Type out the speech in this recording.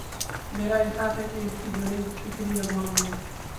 میرا احساس ہے کہ اس کی جڑیں فکری ابہام میں ہیں۔